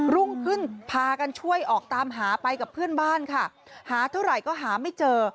รุ่งขึ้นพากันช่วยออกตามหาไปกับเพื่อนบ้านค่ะหาเท่าไหร่ก็หาไม่เจอ